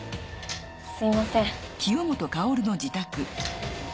すみません。